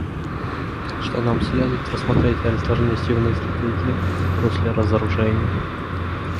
Так что нам следует рассмотреть альтернативные стратегии в русле разоружения.